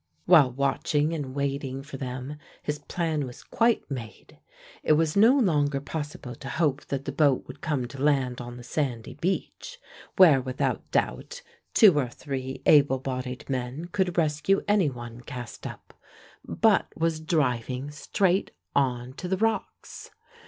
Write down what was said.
While watching and waiting for them, his plan was quite made. It was no longer possible to hope that the boat would come to land on the sandy beach, where without doubt two or three able bodied men could rescue any one cast up, but was driving straight on to the rocks.